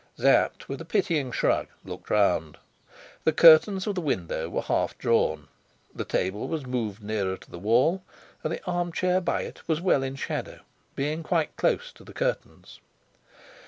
Sapt, with a pitying shrug, looked round. The curtains of the window were half drawn. The table was moved near to the wall, and the arm chair by it was well in shadow, being quite close to the curtains.